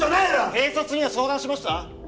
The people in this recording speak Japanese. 警察には相談しました？